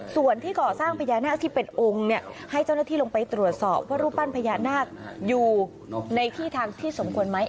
ส่วนที่ก่อสร้างพญานาคที่เป็นองค์เนี่ยให้เจ้าหน้าที่ลงไปตรวจสอบว่ารูปปั้นพญานาคอยู่ในที่ทางที่สมควรไหม